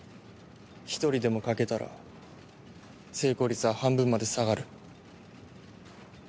一人でも欠けたら成功率は半分まで下がる。